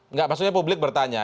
nggak maksudnya publik bertanya